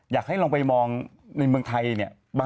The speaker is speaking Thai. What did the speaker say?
อยากให้ลองไปมองในเมืองไทยเนี่ย